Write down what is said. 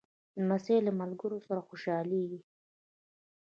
لمسی له ملګرو سره خوشحالېږي.